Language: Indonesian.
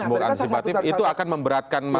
sebagai sebuah antisipatif itu akan memberatkan malah